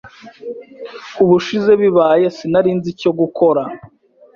Ubushize bibaye sinari nzi icyo gukora.